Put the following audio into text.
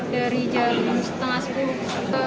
dari jam setengah sepuluh